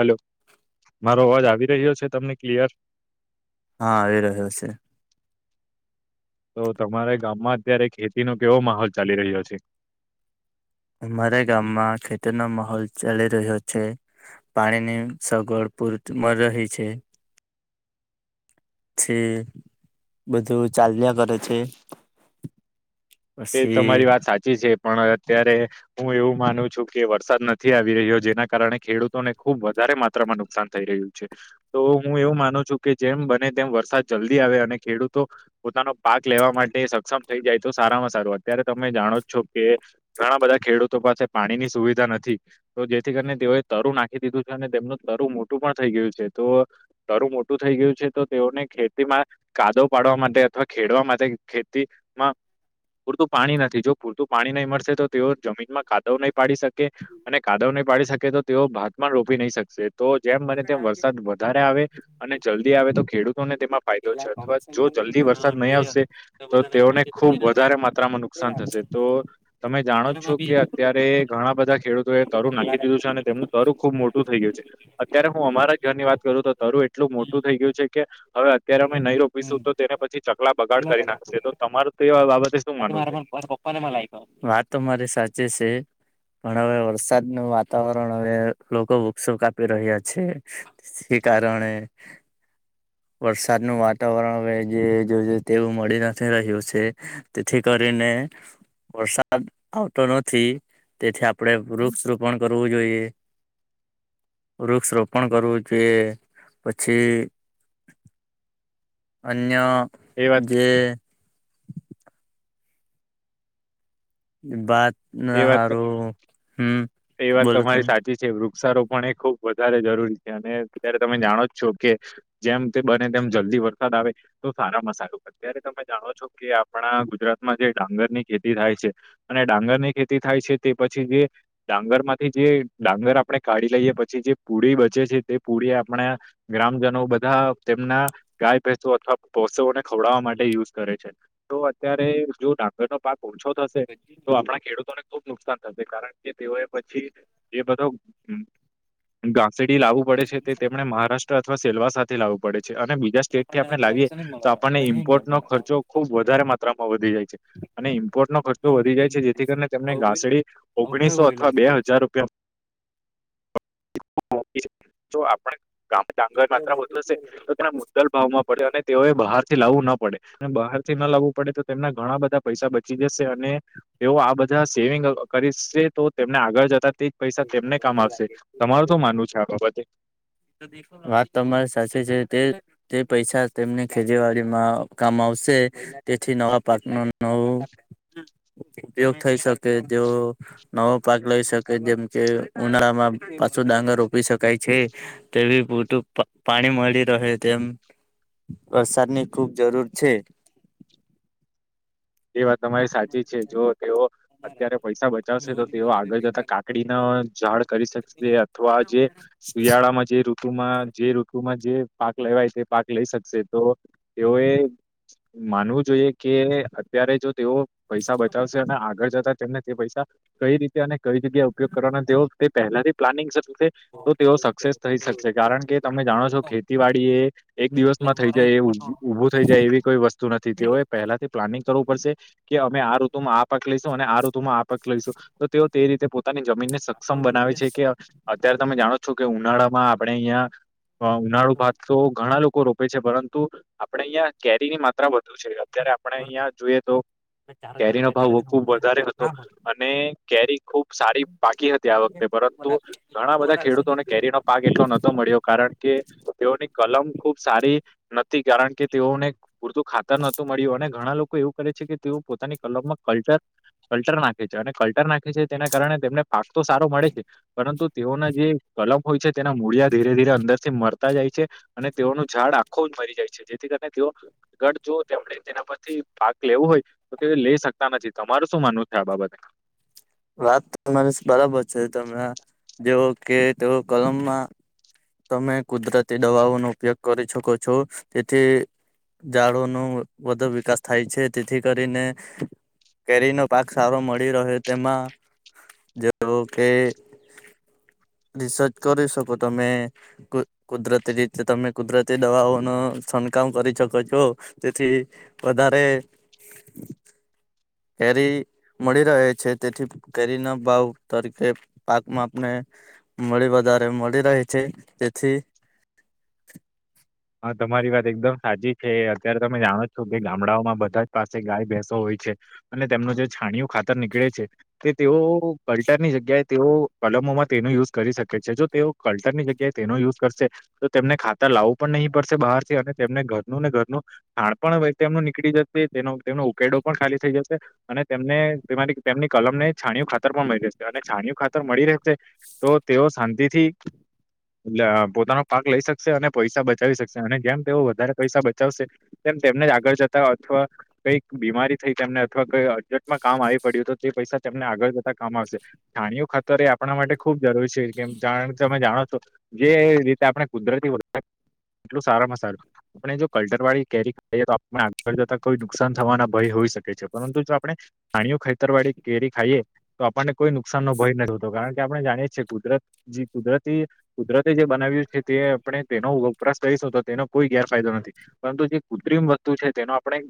Hello મારો અવાજ આવી રહ્યો છે તમને ક્લયર હા આવી રહ્યો છે તો તમારા ગામમાં અત્યારે ખેતીનો કેવો માહોલ ચાલી રહ્યો છે અમારા ગામમાં ખેતીનો માહોલ ચાલી રહ્યો છે, પાણીની સગવડ પૂર્તમાં રહી છે. છે બધું ચાલ્યા કરે છે. તે પછી તમારી વાત સાચી છે, પણ અત્યારે હું એવું માનું છું કે વરસાદ નથી આવી રહ્યો જેના કારણે ખેડૂતોને ખુબ વધારે માત્રામાં નુકસાન થઈ રહ્યું છે તો હું એવું માનું છું કે જેમ બને તેમ વરસાદ જલ્દી આવે અને ખેડૂતો પોતાનો પાક લેવા માટે સક્ષમ થઈ જાય તો સારામાં સારુ અત્યારે તમે જાણો છો કે ઘણા બધા ખેડૂતો પાસે પાણીની સુવિધા નથી તો જેથી કરને તેઓએ તરું નાખી દીધું છે, અને તેમનું તરું મોટું પણ થઈ ગયું છે, તો તરું મોટું થઈ ગયું છે. તો તેઓને ખેતીમાં કાદોવ પાડવા માટે અથવા ખેડવા માટે ખેતીમાં પૂરતું પાણી નથી જો પૂરતું પાણી નહી મળશે તો તેઓ જમીનમાં કાદવ નય પાડી શક કે અને કાદવ નહિ પાડી શકે તો તેઓ ભાત પણ રોપી નહી શકશે તો જેમ બને તેમ વરસાદ વધારે આવે અને જલ્દી આવે તો ખેડૂતોને તેમાં ફાયદો છે, અથવા જો જલ્દી વરસાદ નહીં આવશે તો તેઓને ખુબ વ ધારે માત્રામાં નુકસાન થશે તો તમે જાણો છો કે અત્યારે ઘણા બધા ખે ડૂતોએ તરું નાખી દીધું છે, અને તેમનું તરું ખુબ મોટું થઈ ગયું છે, અત્યારે હું અમારા જ ઘરની વાત કરું તો તરુ એટ લું મોટું થઈ ગયું છે કે હવે અત્યારે અમે નહી રોપીશું તો તેને પછી ચકલા બગાડ કરી નાખશે તો તમારે તો એવા બાબત આજે મારે પપ્પાને મા લાયખો વાત તમારી સાચી છે. પણ હવે વરસાદનુ વાતાવરણ હવે લોકો વૃક્ષો કાપી રહ્યા છે. કારણે વરસાદનું વાતાવરણ હવે જે તેવું મળી નથી રહ્યું છે. તેથી કરીને વરસાદ આવતો નથી. તેથી આપણેે વૃક્ષ રોપણ કરવું જોઈએ વૃક્ષ રોપણ કરવું જોઈએ પછી અન્ય એ વાત જે ભાત એ ના વાત હારું હમ બોલો તમે વૃક્ષા રોપણ એ ખુબ વધારે જરૂરી છે, અને અત્યારે તમે જાણો જ છો કે જેમ તે બને તેમ જલ દિ વરસાદ આવે તો સારામાં સારું અત્યારે તમે જાણો છો કે આપણા ગુજરાતમાં જે ડાંગરની ખેતી થાય છે, અને ડાંગર ને ખેતી થાય છે, તે પછી જે ડાંગર માંથી જે ડાંગર આપણેે કાઢી લઈએ પછી જે પૂડી બચે છે તે પુળી આપણે ગ્રામજનો બધા તેમના ગાય ભેસો અથવા પોષોને જોડવા માટે યુઝ કરે છે તો અત્યારે જો ડાગરનો પાક ઓછો થશે તો આપણા ખેડૂત તોને ખુબ નુકસાન થશે કારણ કે તેઓએ પછી એ બધો સબસિડી લાવું પડે છે, તે તેમણે મહારાષ્ટ્ર અથવા સેલવાસ સાથે લવું પડે છે અને બીજા સ્ટેટથી આપણે લાવીએ તો આપણને ઇમ્પોર્ટ નો ખર્ચો ખુબ વધારે માત્રામાં વધી જાય છે. અને ઇમ્પોર્ટનો ખર્ચો વધી જાય છે, જેથી કરીને તેમને ઘાસડી ઓગણીસો અથવા બે હજાર રૂપિયા [unintelligible] જો આપણે ગામ ડાંગર માત્ર વધુ હશે તો તેના મુદ્દલ ભાવમાં પડે અને તેઓ બહાર થી લાવવું ના પડે અને બહારથી ના લાવવું પડે તો તેમના ઘણા બધા પૈસા બચી જશે અને તેવો આ બ ધા સેવિંગ કરી છે, તો તેમને આગળ જતા તેજ પૈસા તેમને કામ આવશે તમારું શું માનવું છે આ બાબતે? વાત તો અમારી સાચી છે, તે તે પૈસા તેમની ખેતીવાડીમાં કામ આવશે તેથી નવા પાર્ટનર નવું ઉપયોગ થઈ શકે તેવો નવો પાક લઈ શકે જેમ કે ઉનાળામાં મા પાછો ડાંગર રોપી શકાય છે. તે બી પૂરતું પાણી મળી રહે તેમ વરસાદની ખુબ જરૂર છે. તે વાત તમારી સાચી છે, જો તેઓ અત્યારે પૈસા બચાવશે તો તેઓ આગળ જતા કાકડીના ઝાડ કરી શકશે અથવા જે શિયાળા માં જે ઋતુમાં જે ઋતુમાં જે પાક લેવાય તે પાક લઈ શકશે તો તેઓએ માનવું જોઈએ કે અત્યારે જો તેઓ પૈસા બચાવશે અને આગળ જતા. તેમને તે પૈસા કઈ રીતે અને કઈ જગ્યા ઉપયોગ કરવાનો તેવો તે પહેલાથી પ્લાનિંગ તો તેઓ સક્સેસ થઈ શકશે કારણ કે તમે જાણો છો ખેતીવાડી એ એક દિવસમાં થઈ જાય. ઉભું થઈ જાય એવી કોઈ વસ્તુ નથી તેઓએ પહેલાથી પ્લાનિંગ કે અમે આ ઋતુમાં આ પક લઈશું અને આ ઋતુમાં આ પક લઈશું તો તેઓ તે રીતે પોતાની જમીન ને સક્ષમ બનાવે છે કે અત્યારે તમે જાણો છો કે ઉનાળા માં આપણે અહિયાં ઉનાળુ ભાત તો ઘણા લોકો રોપે છે પરંતુ આપડણે અહિયાં કેરી ની માત્રા વધુ છે અત્યારે આપણે અહિયાં જોઈએ તો કેરી નો ભાવ ખુબ વધારે હતો અને કેરી ખુબ સારી બાકી હતી આ વખતે પરંતુ ઘણા બધા ખેડૂતોને કેરીનો પાક એટલો નતો મળ્યો કારણ કે તેઓની કલમ ખુબ સારી નથી કારણ કે તેઓને પૂરતું ખાતર નતું મળ્યું અને ઘણા લોકો એવું કરે છે કે તેઓ પોતાની કલમાં ક કલ્ટર નાખે છે અને કલ્ટર નાખે છે તેના કારણે તેમને પાક તો સારો મળે છે પરંતુ તેઓના જે કલમ હોય છે તેના મૂળિયા ધીરે ધીરે અંદર મળતા જાય છે અને તેઓનું ઝાડ આખો જ મરી જાય છે જેથી કરીને તેઓ ગઢ જો તેમણે તેના પરથી પાક લેવું હોય તો તે લઈ શકતા નથી તમારું શું માનવું છે આ બાબતે વાત તમારે બરાબર છે તમે જેવ કે તેઓ કલમમાં તમે કુદરતી દવાઓનોો ઉપયોગ કરી શકો છો તેથી ઝાડો ન વધુ વિકાસ થાય છે તેથી કરીને કેરીનો પાક સારો મળી રહે્યો તેમાં જો કે રિસર્ચ કરી શકો તમે કુદરતી રીતે તમે કુદરતી દવાઓ ન છણકામ કરી શકો છો તેથી વધારે કેરી મળી રહે છે તેથી કેરી ના ભાવ તરીકે પાકમાં આપણે મડીી બજારે મળી રહેહી છે તેથી હા તમારી વાત એકદમ સાચી છે અત્યારે તમે જાણો છો કે ગામડાઓમાં બધા જ પાસે ગાય ભસો હોય છે અને તેમનો જે છાણીયું ખાતર નીકળે છે તે તેઓ કલ્ટર ની જગ્યાએ તેઓ કલમમદ તેનો યુઝ કરી શકે છે જો તેઓ કલ્ટરની જગ્યાએ તેનો યુઝ કરશે તો તેમને ખાતા લાવું પણ નહીં પડશે બહાર થી અને તેમને ઘરનું ને ઘરનું થાણ પણ તેમનું નીકળી જશે તેનો તેમનો ઉકેડો ખાલી થઈ જશે અનેને તેમની કલમ ને છાણ ખાતર પણ મળી જશે અને છાય ખાતર મળી તો તેઓ શાંતિથી પોતાનો પાક લઈ શકશે અને પૈસા બચ બચાવી શકશે અને જેમ તેઓ વધારે પૈસા બચાવશે તેમ તેમને જ આગળ જતા અથવા કઈક બીમારી અથવાજ કામ આવી પડ્યું તો તે પૈસા તેમને આગળ જતા કામ આવશે થાણીઓ ખાતર આપણા માટે ખુબ જરૂરી છે કેમ જા તમે જાણો છો જે રીતે આપણે કુદરતી વરસાદ હ એટલુ સારામાં સારું પણએ જો કલ્ટર વાળી કેરી ખાઈએ તો આપણને આગળ જતા નુકશાન થવાના ભય હોઈ શકે પરંતુ જો આપણે છાણીયા ખેતર વાળી કેરી ખાઈએ તો આપણને કોઈ નુકસાન નો ભય નથીતો કારણ કે આપડે જાણીએ છીએ કુદરત જી કુદરતી કુદરતે જે બનાવ્યું તે આપ આપણે વરાશ કરીશું તો તેનો કોઈ ગેરફાયદો નથી પરંતુ જે કૃત્રિમ વસ્તુ છે તેનો આપણે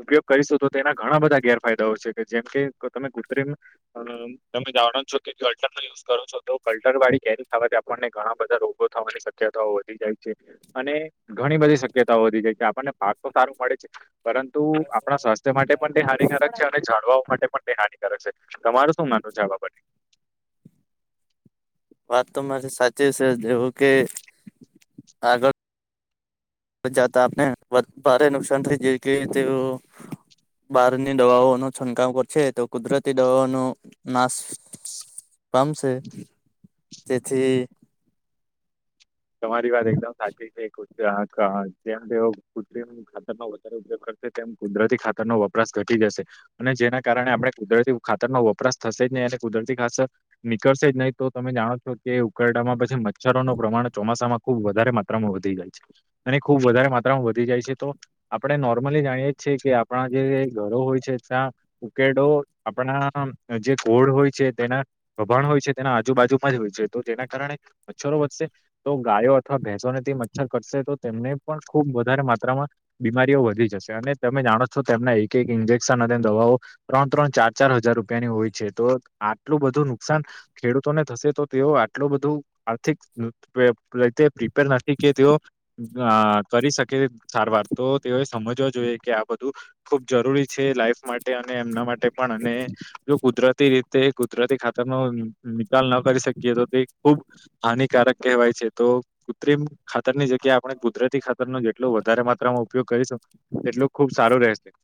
ઉપયોગ કરીશું તો તેના ઘણા બધા ગેરફાયદાઓ છે કે જેમ કે તમે કૃત્રિમ તમે જાણો છો કલ્ટર યુઝ કરો છો તો કલ્ટર વાળી કેરી થવાથી આપણને ઘણા બધા રોગો થવાની શક્યતાઓ હોય છે ાય છે અને ઘણી બધી શક્યતાઓ વધી જાય છે આપણને પાક તો સારું મળે છે પરંતુ આપણા સ્વાસ્થ્ય માટે પણ તે હાનિકારક છે અને ઝાડવા માટે પણ તે હાનિકારક છે તમાર શું માનવ છે આ બાબતે વાત તો તમારી સાચી છે એવું કે આગળ જતા આપને ભારે નુકસાન થઈ જશે કે તેઓ બહારની દવાઓ નો છંટકાવ કરશે તો કુદરતી દવાઓ નો નાશ પામસે તેથી તમારી વાત એકદમ સાચી છે જેમ તેઓ કૃત ખાતરમાં વધારે ઉપયોગ કર તેમ કુદરતી ખાતર નો વપરાશ ઘટી જશે અને જેના કારણે આપણે કુદરતી ખાતર નો વપરાશ થશે જ એને કુદરતી ખાસ નીકળશે જ નહીં તો તમે જાણો છો કે ઉકરડામાં પછી મચ્છરો ન પ્રમાણ વધ માત્રામાં વધ જાય છે અને ખુબ વધારે માત્રામાં વધી જાય છે તો આપણે નોર્મલી જા એ છે કે આપણા જે ઘરો હોય છે ત્યાં ઉકેડો આપણા જેડ હોય છે તેના ગભાણ હોય છે તેના આજુબાજુમાં જ હોય છે તો તેના કારણે મચ્છરો વધચશે તો ગાયો અથવા ભેંસો થી મચ્છર ઘટશે તો તેમને પણ ખુબ વધારે માત્રામાં બીમારીઓ વધી જશે અને તમે જાણો છો તેમના એક એક ઇન્જેક્શન દવાઓ ત્રણ ત્રણ ચાર ચાર હજાર રૂપિયાની હોય છે તો આટલું બધું નુકસાન ખેડૂતોને થશે તો તેઓ આટલું બધું આર્થિક ર પ્રિપેર નથી કે તેઓ કરી શકે સારવાર તો તેઓ સમજ જો કે આ બધું ખબ જરૂરી છે લાઈફ માટે અને એમના માટે પણ અને જો કુદરતી રીતે તે કુદરતી ખાતર નો નિકાલ ન કરી શકીએ તો તે ખુબ હાનિકારક કુત્ર ખાતરની જગ્યાએ આપણે કુદરતી ખાતરનોો જેટલો વધારે માત્રામાં ઉપયોગ કરીશું તેટલો ખુબ સારું રહેશે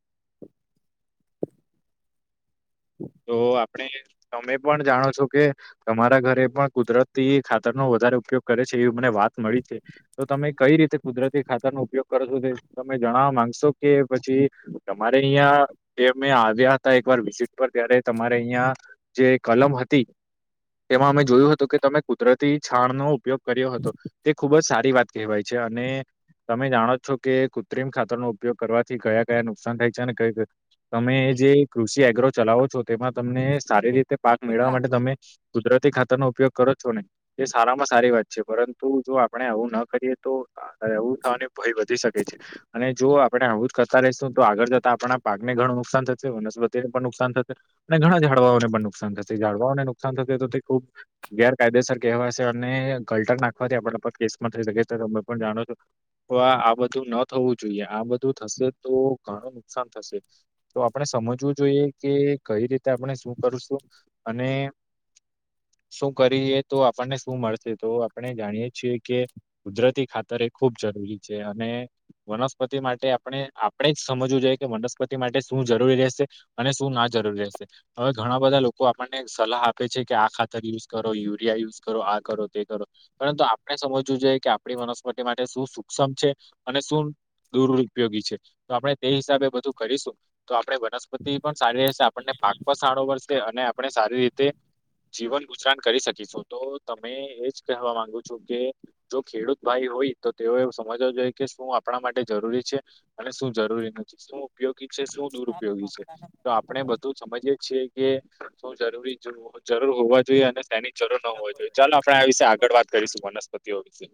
તો આપણે તમે પણ જાણો છો કે તમારા ઘરે પણ કુદરતી ખાતર ન વધારે ઉપયોગ કરે છે એવી મને વાત મળી છે તો તમે કઈ રીતે કુદરતી ખાતર નો ઉપયોગ કરો છો તમે જણવા માંગશો કે પછી તમારે અહિયાં એ અમે આવ્યા હતા એકવાર વિઝટ ત્યારે તમારે અહિયાં જે કલમ હતી તેમાં અમે જોયું હતું કે તમે કુદરતી છાણ નો ઉપયોગ કર્યો હતો તે ખુબ જ સારી વાત કહેવાય છે ને તમે જાણો છો કે કૃત્રિમ ખાતર નો ઉપયોગ કરવાથી કયા કયા નુકસાન થાય છે ને ક તમે જે કૃષિ એગ્રો ચલાવો છો તેમાં તમને સારી રીતે પાક મેળવવા માટે તમે કુદરતી ખાતરનોો ઉપયોગ કરો નહી એ સારામાં સારી વાત છે પરંતુ જો આપણે આવું ના કરીએ તો હા એવું થવાને ભય વધી શકે છે અને જો આપણે હું જ કરતા રહીશું તો આગળ જતા આપણા પાકને ઘું નુકસાન થતશે વનસ્પતિ નુકસાન થશે અને ઘણા ઝાડવાઓને પણ નુકસાન થશે ઝાડવાઓને નુકસાન થશે તો ખુબ ગેરકાયદેસર વા અને ગલટ નાખવાથી આપ કેસ માં થઈ શકે છે તમે પણ જાણો છો તો આ બધું ન થવું જોઈએ આ બધું થશે તો ઘણું નુકસાન થશે તો આપણે સમજવું જોઈએ કે કઈ રીતે આપણે શું કરશું અને હ શું કરીએ તો આપણને શું મળશે તો આપણે જાણીએ છીએ કે કુદરતી ખાતર એ ખુબ જ છે અને વનસ્પતિ માટે આપણે આપણે જ સમજવું જોઈએ કે વનસ્પતિ માટે શું જરૂરી રહેશે અને શું ના જરૂરી હશે હવે ઘણા બધા લોકો આપણને સલાહ આપે છે કે આ ખાતર યુઝ કરો યુરિયા ય કરો આ કરો તે કરો પરંતુ આપણે સમજવું જોઈએ કે આપણી વનસ્પતિ માટે શું સુૂક્ષમ છે અને શું દુરપયોગી છે આપણે તે હિસાબે બધું કરીશું તો આપણે વનસ્પતિ પણ સારી રહેશે આપણને પાક પર સારો પડશે અને આપણે સારી રીતે જીવન ગુજરાન કરી શકીશો તો તમે એજ કહેવા માંગુ છો કે જો ખેડૂત ભાઈ હોય તો તેઓ સમજવું જોઈએ કે શું આપણા માટે જરૂરી છે અને શું જરૂરી નથી શું ઉપયોગ શું દુરુપયોગી છે તો આપડણે બધું સમજીએ છીએ એ શ જરૂરી જો જરૂર હોવા જોઈએ અને તેની જરૂર ન હો જોઈએ ચાલો આપણે આ વિશે આગળ વાત કરીશું વનસ્પતિઓ વિશે